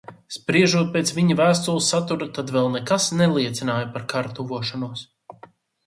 Spriežot pēc viņa vēstules satura, tad vēl nekas neliecināja par kara tuvošanos.